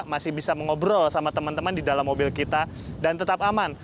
masih bisa mengobrol sama teman teman di dalam mobil kita dan tetap aman